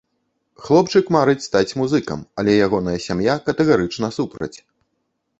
Хлопчык марыць стаць музыкам, але ягоная сям'я катэгарычна супраць.